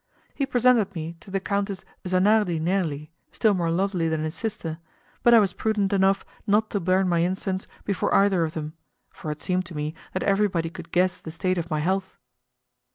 He presented me to the Countess Zanardi Nerli, still more lovely than his sister, but I was prudent enough not to burn my incense before either of them, for it seemed to me that everybody could guess the state of my health.